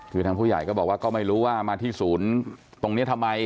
คือทางผู้ใหญ่ก็บอกว่าก็ไม่รู้ว่ามาที่ศูนย์ตรงนี้ทำไม